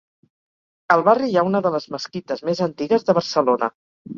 Al barri hi ha una de les mesquites més antigues de Barcelona.